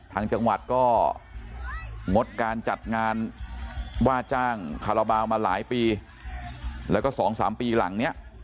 ทางจังหวัดก็งดการจัดงานว่าจ้างคาราบาลมาหลายปีแล้วก็๒๓ปีหลังเนี่ย